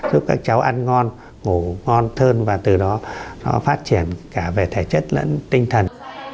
giúp các cháu ăn ngon ngủ ngon hơn và từ đó nó phát triển cả về thể chất lẫn tinh thần